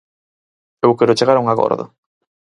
Eu quero chegar a un acordo.